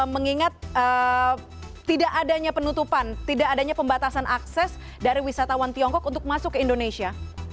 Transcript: mengingat tidak adanya penutupan tidak adanya pembatasan akses dari wisatawan tiongkok untuk masuk ke indonesia